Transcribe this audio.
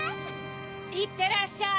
いってらっしゃい！